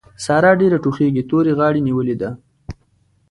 سارا ډېره ټوخېږي؛ تورې غاړې نيولې ده.